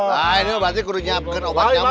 nah ini mah berarti kurunyapkan obatnya mbah